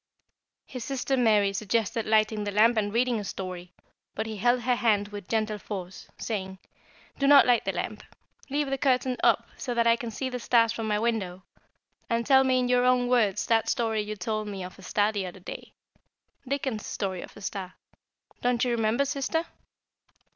His sister Mary suggested lighting the lamp and reading a story, but he held her hand with gentle force, saying: "Do not light the lamp. Leave the curtain up so that I can see the stars from my window, and tell me in your own words that story you told me of a star the other day Dickens' story of a star. Don't you remember, sister?"